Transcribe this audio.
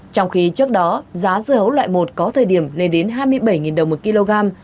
trong khi trước đó giá dưa hấu loại một có thời điểm lên đến hai mươi bảy đồng một kg